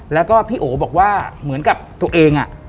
แล้วก็พี่โอบอกว่าเหมือนกับตัวเอง